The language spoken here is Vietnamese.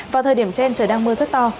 vào thời điểm trên trời đang mưa rất to